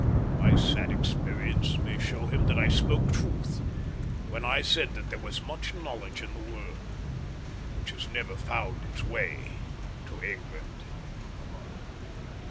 My sad experience may show him that I spoke truth when I said that there was much knowledge in the world which has never found its way to England.